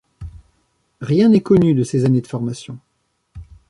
Rien n'est connu de ses années de formation.